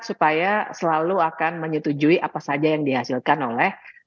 supaya selalu akan menyetujui apa saja yang dihasilkan oleh